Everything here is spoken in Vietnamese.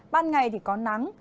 ban ngày thì có nắng